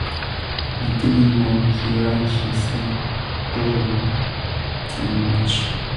I didn't know he liked his daughter that much.